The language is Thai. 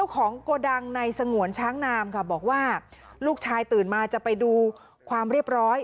ของโกดังในสงวนช้างนามค่ะบอกว่าลูกชายตื่นมาจะไปดูความเรียบร้อย